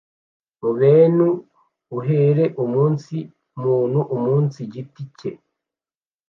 mu bentu uhere umunsi muntu umunsi giti cye.